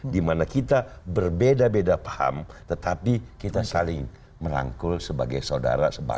di mana kita berbeda beda paham tetapi kita saling merangkul sebagai saudara sebangsa